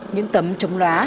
những tấm trồng lóa